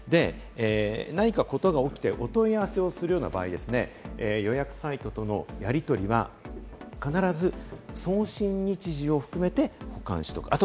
何かことが起きて、お問い合わせをするような場合、予約サイトとのやり取りは必ず送信日時を含めて保管しておく。